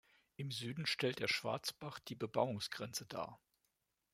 Im Süden stellt der Schwarzbach die Bebauungsgrenze dar.